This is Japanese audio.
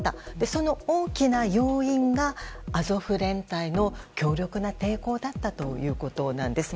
その大きな要因がアゾフ連隊の強力な抵抗だったということです。